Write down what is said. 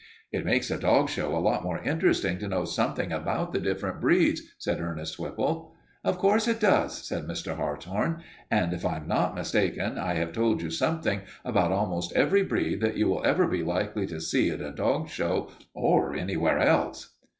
"It makes a dog show a lot more interesting to know something about the different breeds," said Ernest Whipple. "Of course it does," said Mr. Hartshorn. "And if I am not mistaken, I have told you something about almost every breed that you will ever be likely to see at a dog show or anywhere else."